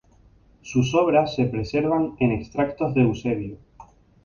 Sus obras se preservan en extractos de Eusebio.